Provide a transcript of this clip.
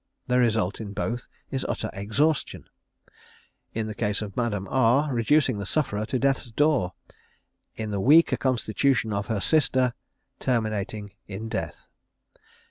The result in both is utter exhaustion. In the case of Madame R reducing the sufferer to death's door; in the weaker constitution of her sister terminating in death.